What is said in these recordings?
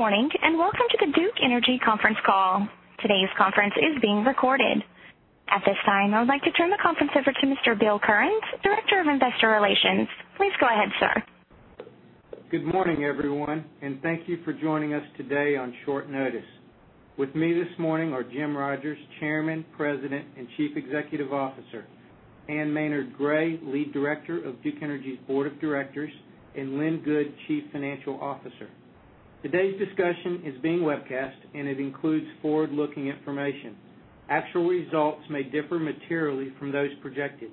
Good morning, and welcome to the Duke Energy conference call. Today's conference is being recorded. At this time, I would like to turn the conference over to Mr. Bill Currens, Director of Investor Relations. Please go ahead, sir. Good morning, everyone, and thank you for joining us today on short notice. With me this morning are Jim Rogers, Chairman, President, and Chief Executive Officer, Ann Maynard Gray, Lead Director of Duke Energy's Board of Directors, and Lynn Good, Chief Financial Officer. Today's discussion is being webcast, and it includes forward-looking information. Actual results may differ materially from those projected.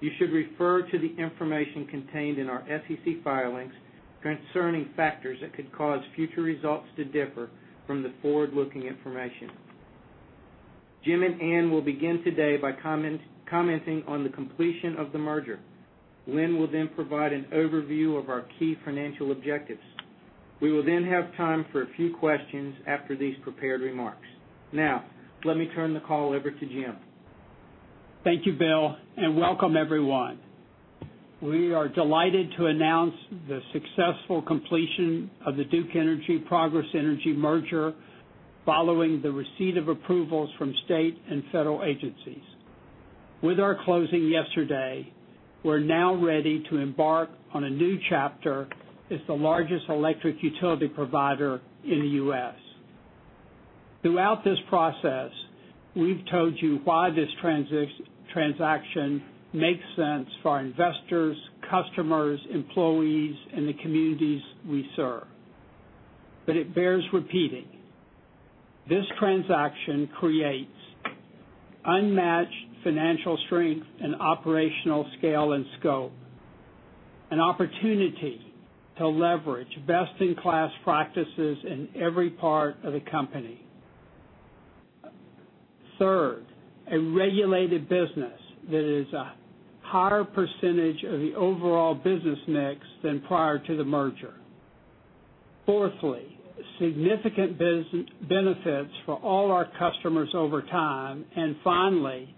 You should refer to the information contained in our SEC filings concerning factors that could cause future results to differ from the forward-looking information. Jim and Ann will begin today by commenting on the completion of the merger. Lynn will provide an overview of our key financial objectives. We will have time for a few questions after these prepared remarks. Now, let me turn the call over to Jim. Thank you, Bill, and welcome everyone. We are delighted to announce the successful completion of the Duke Energy-Progress Energy merger following the receipt of approvals from state and federal agencies. With our closing yesterday, we're now ready to embark on a new chapter as the largest electric utility provider in the U.S. Throughout this process, we've told you why this transaction makes sense for our investors, customers, employees, and the communities we serve. It bears repeating. This transaction creates unmatched financial strength and operational scale and scope, an opportunity to leverage best-in-class practices in every part of the company. Third, a regulated business that is a higher % of the overall business mix than prior to the merger. Fourthly, significant benefits for all our customers over time. Finally,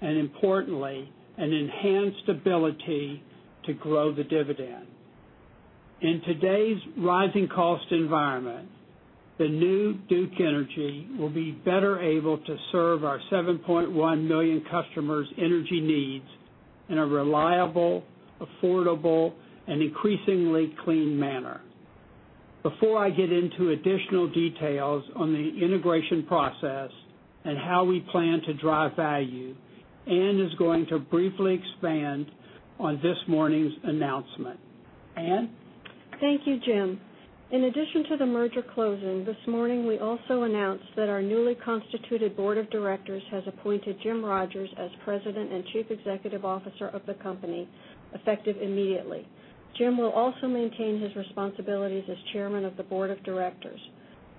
and importantly, an enhanced ability to grow the dividend. In today's rising cost environment, the new Duke Energy will be better able to serve our 7.1 million customers' energy needs in a reliable, affordable, and increasingly clean manner. Before I get into additional details on the integration process and how we plan to drive value, Ann is going to briefly expand on this morning's announcement. Ann? Thank you, Jim. In addition to the merger closing, this morning we also announced that our newly constituted board of directors has appointed Jim Rogers as President and Chief Executive Officer of the company, effective immediately. Jim will also maintain his responsibilities as Chairman of the Board of Directors.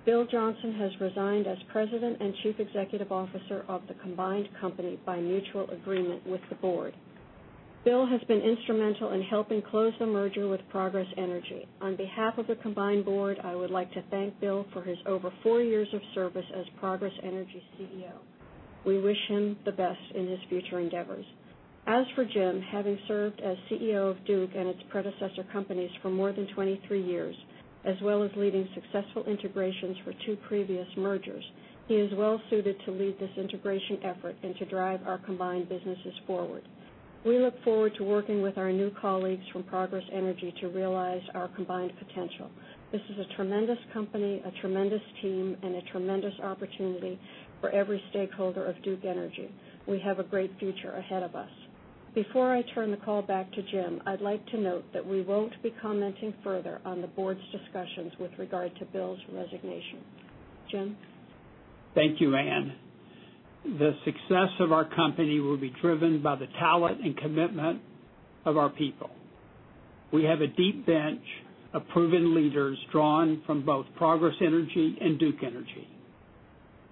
Bill Johnson has resigned as President and Chief Executive Officer of the combined company by mutual agreement with the board. Bill has been instrumental in helping close the merger with Progress Energy. On behalf of the combined board, I would like to thank Bill for his over four years of service as Progress Energy's CEO. We wish him the best in his future endeavors. As for Jim, having served as CEO of Duke and its predecessor companies for more than 23 years, as well as leading successful integrations for two previous mergers, he is well-suited to lead this integration effort and to drive our combined businesses forward. We look forward to working with our new colleagues from Progress Energy to realize our combined potential. This is a tremendous company, a tremendous team, and a tremendous opportunity for every stakeholder of Duke Energy. We have a great future ahead of us. Before I turn the call back to Jim, I'd like to note that we won't be commenting further on the board's discussions with regard to Bill's resignation. Jim? Thank you, Ann. The success of our company will be driven by the talent and commitment of our people. We have a deep bench of proven leaders drawn from both Progress Energy and Duke Energy.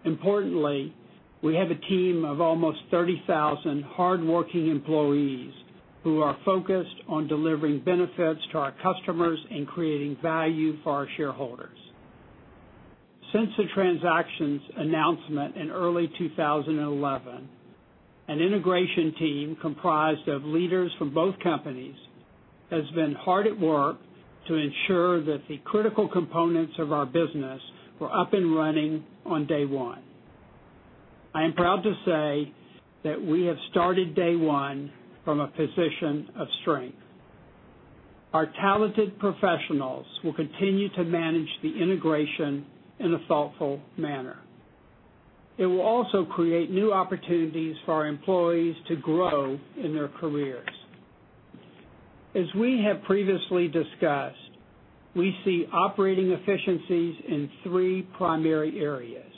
Importantly, we have a team of almost 30,000 hardworking employees who are focused on delivering benefits to our customers and creating value for our shareholders. Since the transaction's announcement in early 2011, an integration team comprised of leaders from both companies has been hard at work to ensure that the critical components of our business were up and running on day one. I am proud to say that we have started day one from a position of strength. Our talented professionals will continue to manage the integration in a thoughtful manner. It will also create new opportunities for our employees to grow in their careers. As we have previously discussed, we see operating efficiencies in three primary areas: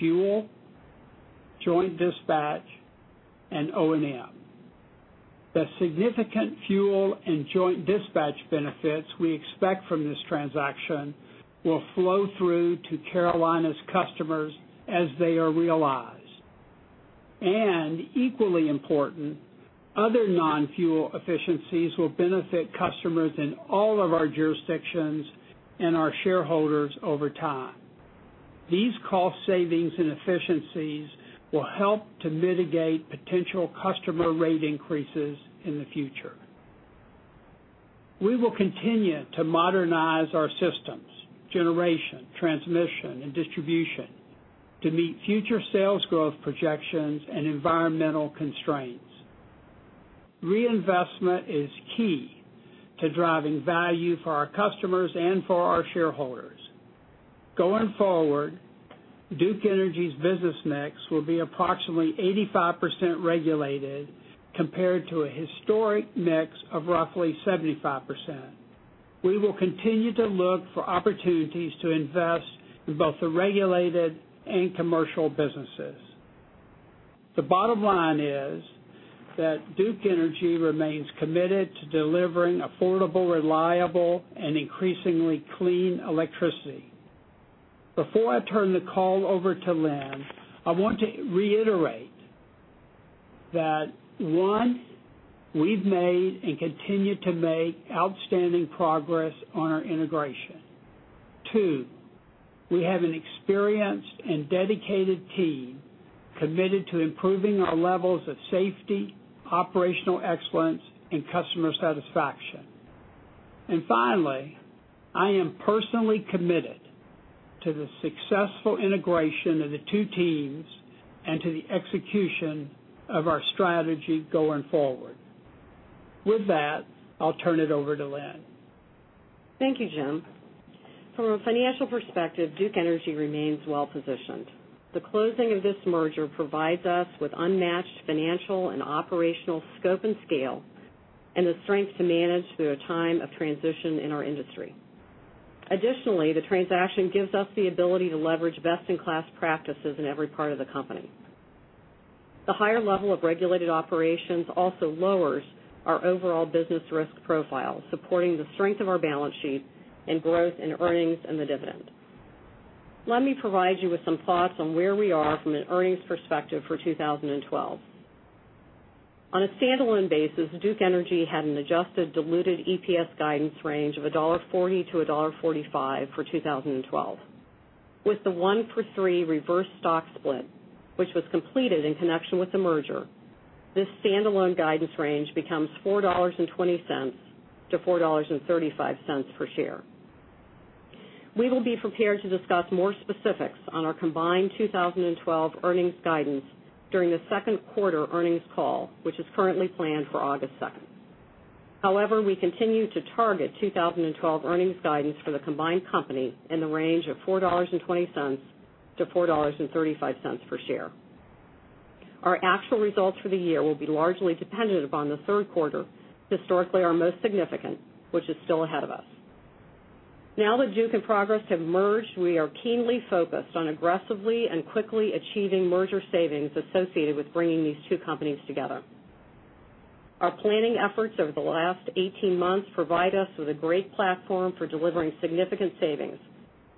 fuel, joint dispatch, and O&M. The significant fuel and joint dispatch benefits we expect from this transaction will flow through to Carolina's customers as they are realized. Equally important, other non-fuel efficiencies will benefit customers in all of our jurisdictions and our shareholders over time. These cost savings and efficiencies will help to mitigate potential customer rate increases in the future. We will continue to modernize our systems, generation, transmission, and distribution, to meet future sales growth projections and environmental constraints. Reinvestment is key to driving value for our customers and for our shareholders. Going forward, Duke Energy's business mix will be approximately 85% regulated compared to a historic mix of roughly 75%. We will continue to look for opportunities to invest in both the regulated and commercial businesses. The bottom line is that Duke Energy remains committed to delivering affordable, reliable, and increasingly clean electricity. Before I turn the call over to Lynn, I want to reiterate that, one, we've made and continue to make outstanding progress on our integration. Two, we have an experienced and dedicated team committed to improving our levels of safety, operational excellence, and customer satisfaction. Finally, I am personally committed to the successful integration of the two teams and to the execution of our strategy going forward. With that, I'll turn it over to Lynn. Thank you, Jim. From a financial perspective, Duke Energy remains well-positioned. The closing of this merger provides us with unmatched financial and operational scope and scale, and the strength to manage through a time of transition in our industry. Additionally, the transaction gives us the ability to leverage best-in-class practices in every part of the company. The higher level of regulated operations also lowers our overall business risk profile, supporting the strength of our balance sheet and growth in earnings and the dividend. Let me provide you with some thoughts on where we are from an earnings perspective for 2012. On a standalone basis, Duke Energy had an adjusted diluted EPS guidance range of $1.40-$1.45 for 2012. With the one for three reverse stock split, which was completed in connection with the merger, this standalone guidance range becomes $4.20-$4.35 per share. We will be prepared to discuss more specifics on our combined 2012 earnings guidance during the second quarter earnings call, which is currently planned for August 2nd. However, we continue to target 2012 earnings guidance for the combined company in the range of $4.20-$4.35 per share. Our actual results for the year will be largely dependent upon the third quarter, historically our most significant, which is still ahead of us. Now that Duke and Progress have merged, we are keenly focused on aggressively and quickly achieving merger savings associated with bringing these two companies together. Our planning efforts over the last 18 months provide us with a great platform for delivering significant savings,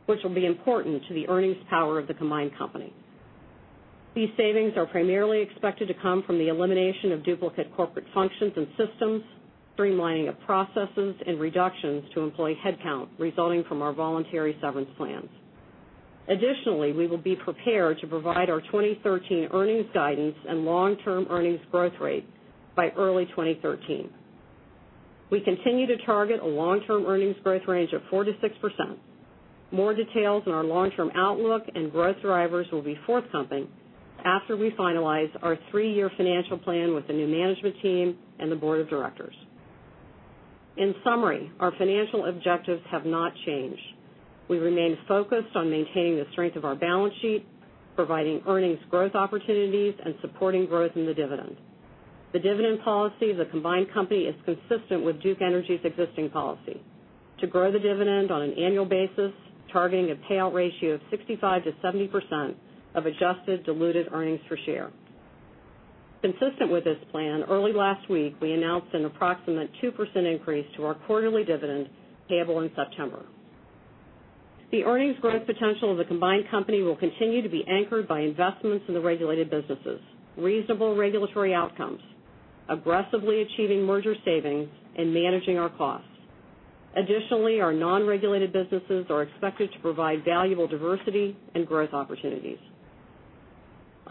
which will be important to the earnings power of the combined company. These savings are primarily expected to come from the elimination of duplicate corporate functions and systems, streamlining of processes, and reductions to employee headcount resulting from our voluntary severance plans. Additionally, we will be prepared to provide our 2013 earnings guidance and long-term earnings growth rate by early 2013. We continue to target a long-term earnings growth range of 4%-6%. More details on our long-term outlook and growth drivers will be forthcoming after we finalize our three-year financial plan with the new management team and the board of directors. In summary, our financial objectives have not changed. We remain focused on maintaining the strength of our balance sheet, providing earnings growth opportunities, and supporting growth in the dividend. The dividend policy of the combined company is consistent with Duke Energy's existing policy. To grow the dividend on an annual basis, targeting a payout ratio of 65%-70% of adjusted diluted earnings per share. Consistent with this plan, early last week, we announced an approximate 2% increase to our quarterly dividend payable in September. The earnings growth potential of the combined company will continue to be anchored by investments in the regulated businesses, reasonable regulatory outcomes, aggressively achieving merger savings, and managing our costs. Additionally, our non-regulated businesses are expected to provide valuable diversity and growth opportunities.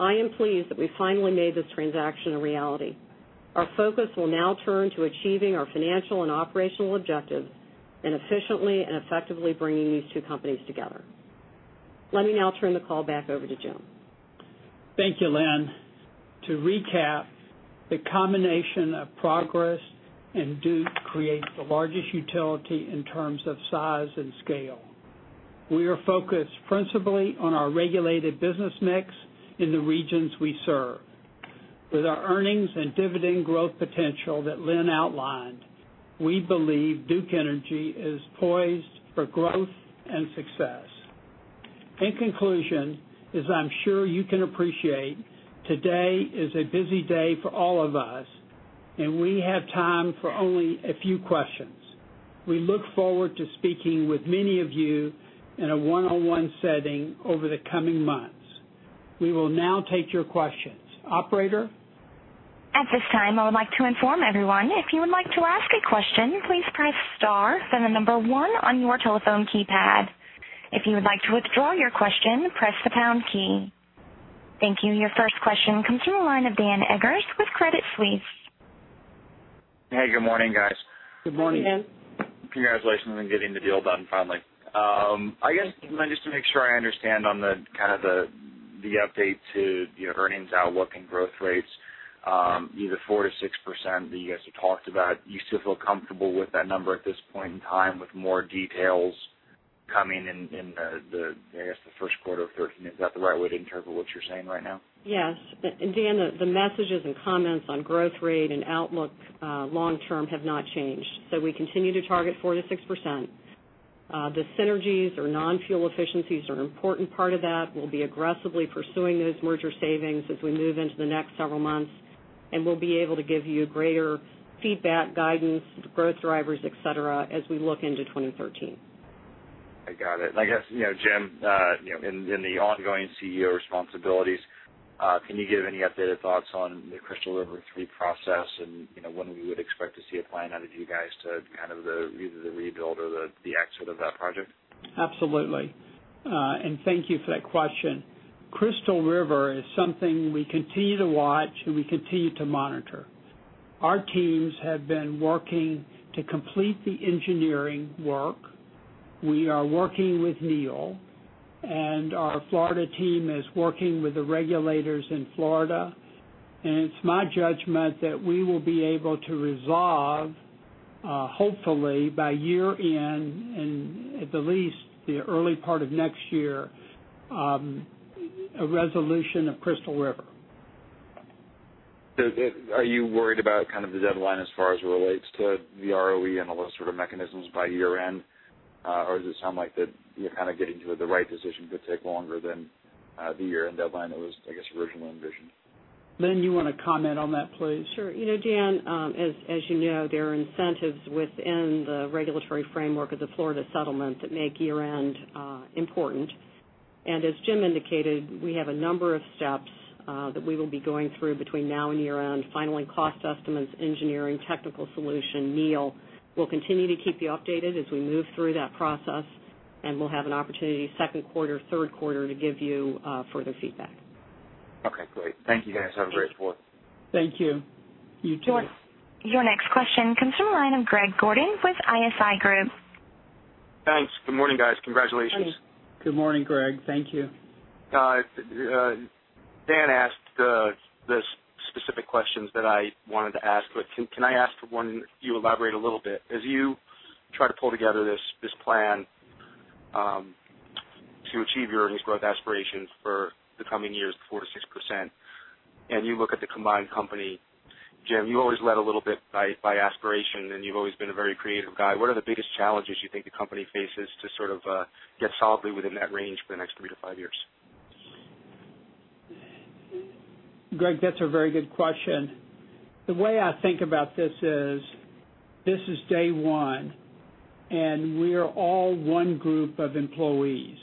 I am pleased that we finally made this transaction a reality. Our focus will now turn to achieving our financial and operational objectives and efficiently and effectively bringing these two companies together. Let me now turn the call back over to Jim. Thank you, Lynn. To recap, the combination of Progress and Duke creates the largest utility in terms of size and scale. We are focused principally on our regulated business mix in the regions we serve. With our earnings and dividend growth potential that Lynn outlined, we believe Duke Energy is poised for growth and success. In conclusion, as I'm sure you can appreciate, today is a busy day for all of us, and we have time for only a few questions. We look forward to speaking with many of you in a one-on-one setting over the coming months. We will now take your questions. Operator At this time, I would like to inform everyone, if you would like to ask a question, please press star, then the number one on your telephone keypad. If you would like to withdraw your question, press the pound key. Thank you. Your first question comes from the line of Dan Eggers with Credit Suisse. Hey, good morning, guys. Good morning. Hey, Dan. Congratulations on getting the deal done finally. I guess just to make sure I understand on the update to the earnings outlook and growth rates, either 4% to 6% that you guys have talked about. You still feel comfortable with that number at this point in time, with more details coming in the first quarter of 2013? Is that the right way to interpret what you're saying right now? Yes. Dan, the messages and comments on growth rate and outlook long-term have not changed. We continue to target 4% to 6%. The synergies or non-fuel efficiencies are an important part of that. We'll be aggressively pursuing those merger savings as we move into the next several months, and we'll be able to give you greater feedback, guidance, growth drivers, et cetera, as we look into 2013. I got it. I guess, Jim, in the ongoing CEO responsibilities, can you give any updated thoughts on the Crystal River 3 process and when we would expect to see a plan out of you guys to either the rebuild or the exit of that project? Absolutely. Thank you for that question. Crystal River is something we continue to watch, and we continue to monitor. Our teams have been working to complete the engineering work. We are working with NEIL. Our Florida team is working with the regulators in Florida. It's my judgment that we will be able to resolve, hopefully by year-end and at the least the early part of next year, a resolution of Crystal River. Are you worried about the deadline as far as it relates to the ROE and all those sort of mechanisms by year-end? Does it sound like that you're getting to the right decision could take longer than the year-end deadline that was, I guess, originally envisioned? Lynn, you want to comment on that, please? Sure. Dan, as you know, there are incentives within the regulatory framework of the Florida settlement that make year-end important. As Jim indicated, we have a number of steps that we will be going through between now and year-end. Final cost estimates, engineering, technical solution, NEIL. We'll continue to keep you updated as we move through that process, and we'll have an opportunity second quarter, third quarter to give you further feedback. Okay, great. Thank you, guys. Have a great fourth. Thank you. You, too. Your next question comes from the line of Greg Gordon with ISI Group. Thanks. Good morning, guys. Congratulations. Good morning, Greg. Thank you. Dan asked the specific questions that I wanted to ask. Can I ask one? You elaborate a little bit. As you try to pull together this plan to achieve your earnings growth aspirations for the coming years, the 4%-6%, and you look at the combined company, Jim, you always led a little bit by aspiration, and you've always been a very creative guy. What are the biggest challenges you think the company faces to sort of get solidly within that range for the next three to five years? Greg, that's a very good question. The way I think about this is, this is day one, we are all one group of employees.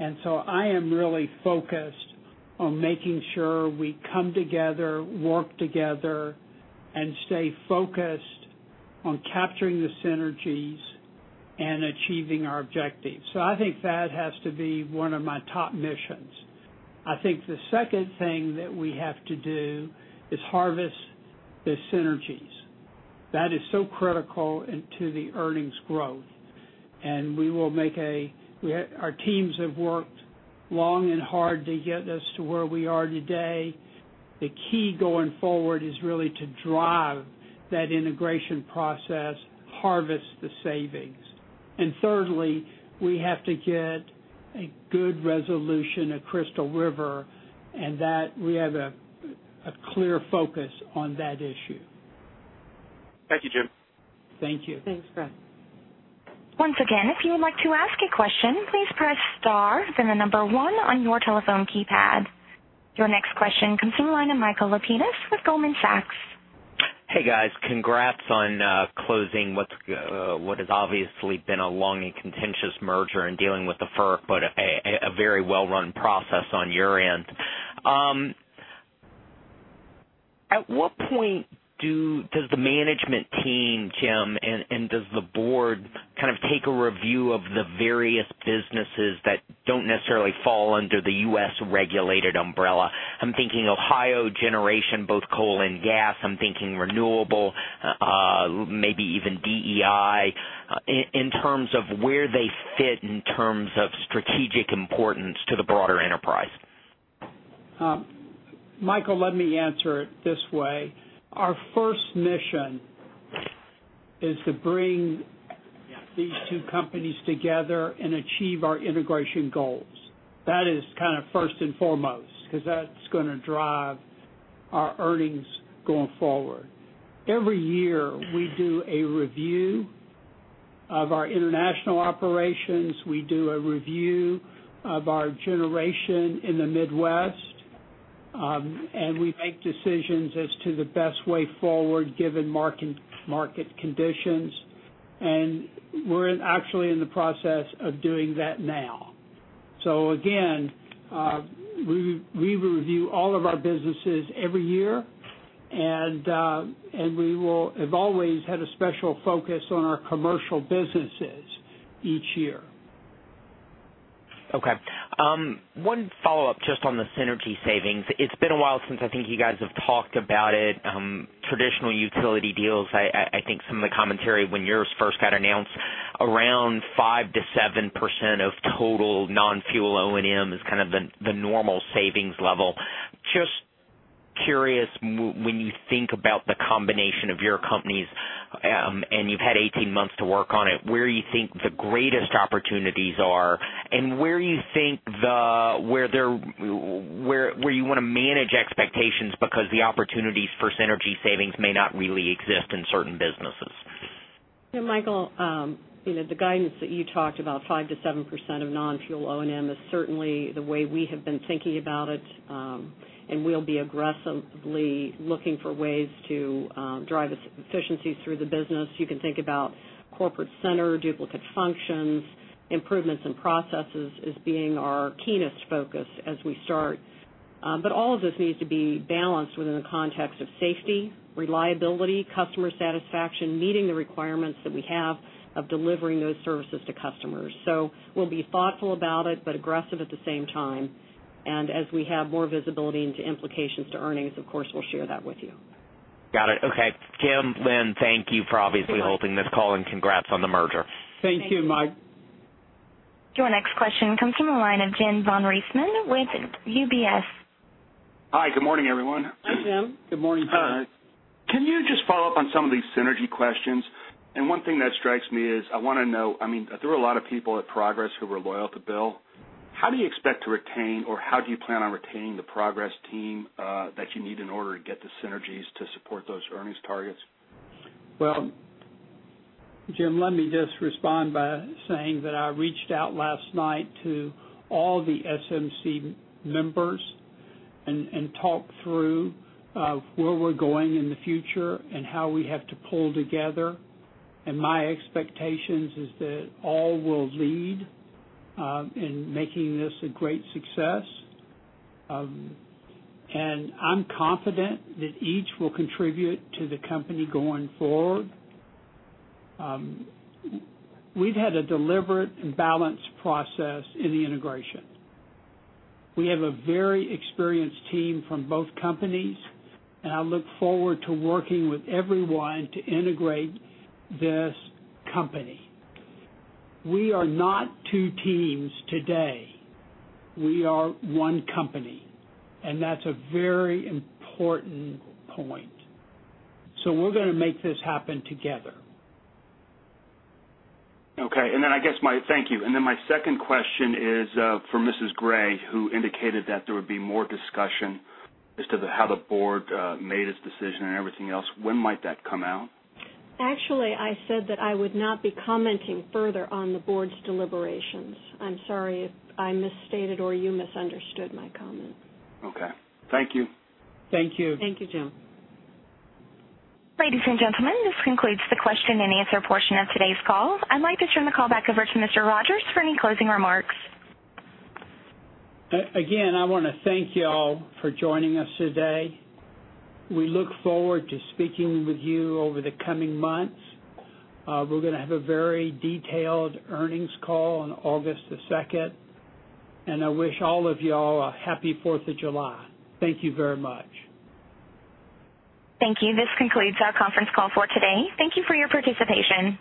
I am really focused on making sure we come together, work together, and stay focused on capturing the synergies and achieving our objectives. I think that has to be one of my top missions. I think the second thing that we have to do is harvest the synergies. That is so critical to the earnings growth. Our teams have worked long and hard to get us to where we are today. The key going forward is really to drive that integration process, harvest the savings. Thirdly, we have to get a good resolution at Crystal River, and that we have a clear focus on that issue. Thank you, Jim. Thank you. Thanks, Greg. Once again, if you would like to ask a question, please press star, then the number one on your telephone keypad. Your next question comes from the line of Michael Lapides with Goldman Sachs. Hey, guys. Congrats on closing what has obviously been a long and contentious merger and dealing with the FERC, a very well-run process on your end. At what point does the management team, Jim, and does the board take a review of the various businesses that don't necessarily fall under the U.S. regulated umbrella? I'm thinking Ohio generation, both coal and gas. I'm thinking renewable, maybe even DEI, in terms of where they fit in terms of strategic importance to the broader enterprise. Michael, let me answer it this way. Our first mission is to bring these two companies together and achieve our integration goals. That is first and foremost, because that's going to drive our earnings going forward. Every year we do a review of our international operations. We do a review of our generation in the Midwest. We make decisions as to the best way forward given market conditions. We're actually in the process of doing that now. Again, we review all of our businesses every year, and we have always had a special focus on our commercial businesses each year. Okay. One follow-up just on the synergy savings. It's been a while since I think you guys have talked about it. Traditional utility deals, I think some of the commentary when yours first got announced, around 5%-7% of total non-fuel O&M is kind of the normal savings level. Just curious, when you think about the combination of your companies, and you've had 18 months to work on it, where you think the greatest opportunities are and where you want to manage expectations because the opportunities for synergy savings may not really exist in certain businesses? Michael, the guidance that you talked about, 5%-7% of non-fuel O&M is certainly the way we have been thinking about it. We'll be aggressively looking for ways to drive efficiency through the business. You can think about corporate center, duplicate functions, improvements in processes as being our keenest focus as we start. All of this needs to be balanced within the context of safety, reliability, customer satisfaction, meeting the requirements that we have of delivering those services to customers. We'll be thoughtful about it, but aggressive at the same time. As we have more visibility into implications to earnings, of course, we'll share that with you. Got it. Okay. Jim, Lynn, thank you for obviously holding this call and congrats on the merger. Thank you, Mike. Thank you. Your next question comes from the line of Jim von Riesemann with UBS. Hi, good morning, everyone. Hi, Jim. Good morning, Jim. Can you just follow up on some of these synergy questions? One thing that strikes me is, I want to know, there were a lot of people at Progress who were loyal to Bill. How do you expect to retain or how do you plan on retaining the Progress team that you need in order to get the synergies to support those earnings targets? Well, Jim, let me just respond by saying that I reached out last night to all the SMC members and talked through where we're going in the future and how we have to pull together. My expectations is that all will lead in making this a great success. I'm confident that each will contribute to the company going forward. We've had a deliberate and balanced process in the integration. We have a very experienced team from both companies, and I look forward to working with everyone to integrate this company. We are not two teams today. We are one company, and that's a very important point. We're going to make this happen together. Okay. Thank you. My second question is for Mrs. Gray, who indicated that there would be more discussion as to how the board made its decision and everything else. When might that come out? Actually, I said that I would not be commenting further on the board's deliberations. I'm sorry if I misstated or you misunderstood my comment. Okay. Thank you. Thank you. Thank you, Jim. Ladies and gentlemen, this concludes the question and answer portion of today's call. I'd like to turn the call back over to Mr. Rogers for any closing remarks. I want to thank you all for joining us today. We look forward to speaking with you over the coming months. We're going to have a very detailed earnings call on August the 2nd. I wish all of y'all a happy 4th of July. Thank you very much. Thank you. This concludes our conference call for today. Thank you for your participation.